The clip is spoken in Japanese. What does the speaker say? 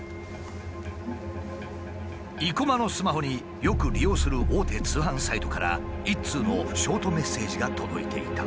生駒のスマホによく利用する大手通販サイトから一通のショートメッセージが届いていた。